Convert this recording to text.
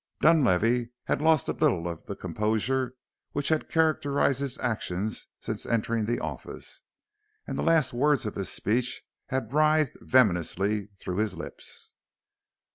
Dunlavey had lost a little of the composure which had characterized his actions since entering the office and the last words of his speech had writhed venomously through his lips.